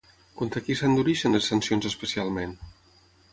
Contra qui s'endureixen les sancions especialment?